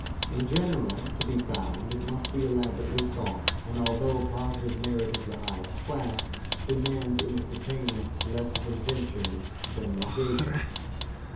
In general, to be found, it must be elaborately sought, and although a positive merit of the highest class, demands in its attainment less of invention than negation.